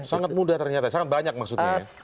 sangat mudah ternyata sangat banyak maksudnya ya